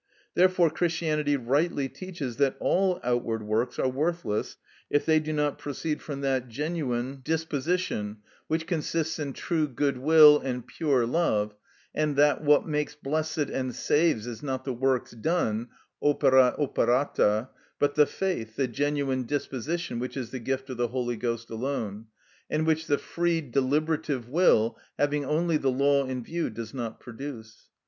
Therefore Christianity rightly teaches that all outward works are worthless if they do not proceed from that genuine disposition which consists in true goodwill and pure love, and that what makes blessed and saves is not the works done (opera operata), but the faith, the genuine disposition, which is the gift of the Holy Ghost alone, and which the free, deliberative will, having only the law in view, does not produce.